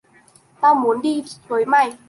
Tao muốn đi với mày